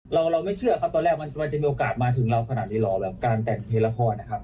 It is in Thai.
เราไม่เชื่อครับตอนแรกมันจะมีโอกาสมาถึงเราขนาดนี้รอแบบการแต่งเพลงละครนะครับ